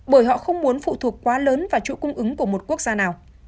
bởi họ không muốn phụ thuộc quá lớn vào chuỗi cung ứng của một quốc gia nào